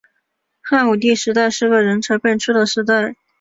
汉武帝时代是个人才辈出的时代。